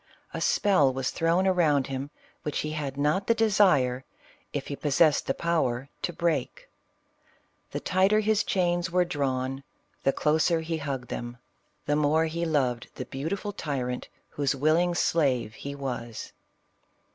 A spell was thrown around him which he had not the desire, if he possessed the power, to break. The tighter his chains were drawn, the closer he hugged 40 CLEOPATRA. them — the more he loved the beautiful tyrant whose willing slave he was.